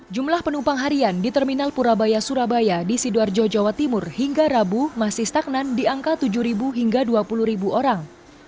jumlah penumpang harian di terminal purabaya surabaya di sidoarjo jawa timur hingga rabu masih stagnan di angka tujuh hingga dua puluh orang